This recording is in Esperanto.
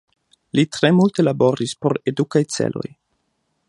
Li tre multe laboris por edukaj celoj.